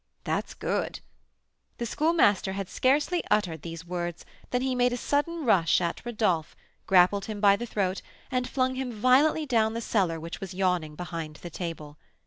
"That's good " The Schoolmaster had scarcely uttered these words than he made a sudden rush at Rodolph, grappled him by the throat, and flung him violently down the cellar which was yawning behind the table.